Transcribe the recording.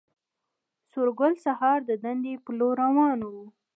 سورګل سهار د دندې پر لور روان و